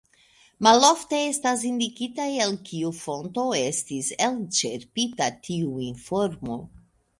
Malofte estas indikita el kiu fonto estis elĉerpita tiu informo.